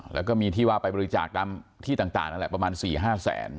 แล้วก็มีที่ว่าไปบริจาคตามที่ต่างนั่นแหละประมาณ๔๕แสน